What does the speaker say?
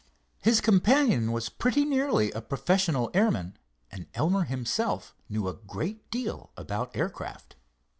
His companion was pretty nearly a professional airman, and Elmer himself knew a great deal about aircraft.